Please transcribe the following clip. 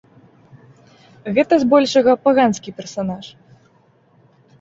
Гэта, збольшага, паганскі персанаж.